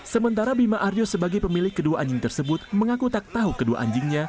sementara bima aryo sebagai pemilik kedua anjing tersebut mengaku tak tahu kedua anjingnya